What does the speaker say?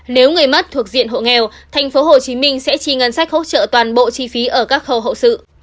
nếu người mất thuộc diện hộ nghèo tp hcm sẽ chi ngân sách hỗ trợ toàn bộ chi phí ở các khâu hậu sự